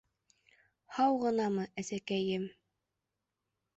— Һау ғынамы, әсәкәйем...